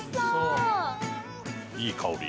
いい香り。